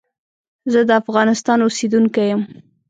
زه دافغانستان اوسیدونکی یم.